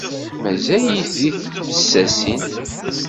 Mazal-it di tbessasin.